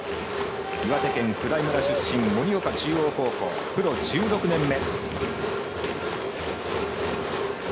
岩手県普代村出身森岡中央高校、プロ３年目。